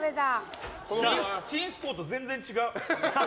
ちんすこうと全然違う。